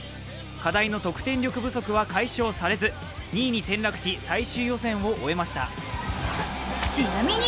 課題の得点力不足は解消されず２位に転落し最終予選を終えました。